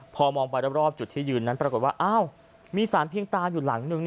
พอมองไปรอบจุดที่ยืนนั้นปรากฏว่าอ้าวมีสารเพียงตาอยู่หลังนึง